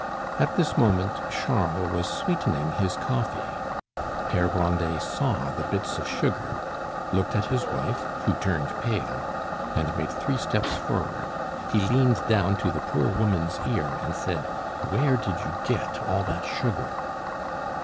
At this moment Charlie was sweetening his coffee. Pere Grandet saw the bits of sugar, looked at his wife, who turned pale, and made three steps forward; he leaned down to the poor woman's ear and said, "Where did you get all that sugar?"